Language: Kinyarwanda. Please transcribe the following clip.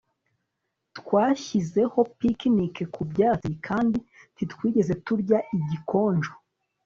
twashizeho picnic ku byatsi, kandi ntitwigeze turya igikonjo